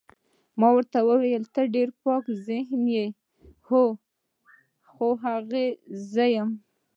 ما ورته وویل ته ډېر پاک ذهنه یې، هو، هغه خو زه یم.